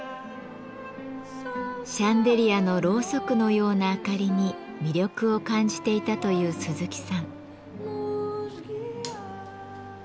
シャンデリアのろうそくのような明かりに魅力を感じていたという鈴木さん。